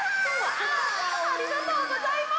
ありがとうございます。